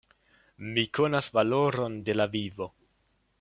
Mi konas valoron de la vivo!